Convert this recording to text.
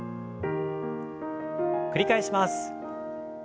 繰り返します。